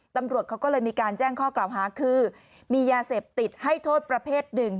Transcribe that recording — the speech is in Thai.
ตำรวจเขาก็เลยมีการแจ้งข้อกล่าวหาคือมียาเสพติดให้โทษประเภทหนึ่ง